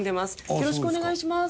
よろしくお願いします。